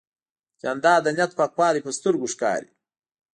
جانداد د نیت پاکوالی په سترګو ښکاري.